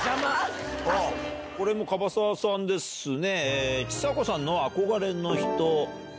これも加羽沢さんですね。